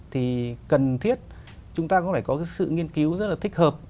thì cần thiết chúng ta cũng phải có cái sự nghiên cứu rất là thích hợp